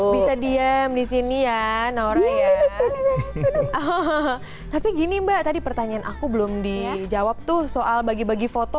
kayak gimana iya gimana sih apalagi tuh now kan lagi aktif aktifnya ya gimana sih cara ya californ